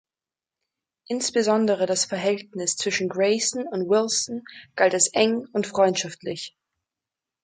Insbesondere das Verhältnis zwischen Grayson und Wilson galt als eng und freundschaftlich.